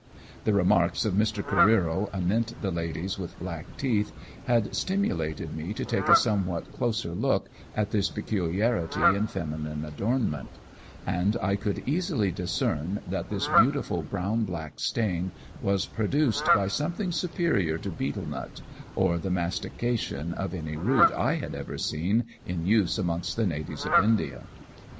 The remarks of Mr. Careero anent the ladies with black teeth had stimulated me to take a somewhat closer look at this peculiaritj' in feminine adornment, and I could easily discern that this beautiful brown black stain was produced by something superior to betel nut or the mastication of any root I had ever seen in use amongst the natives of India.